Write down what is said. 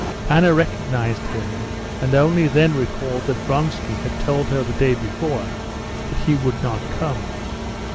Anna recognized him, and only then recalled that Vronsky had told her the day before that he would not come.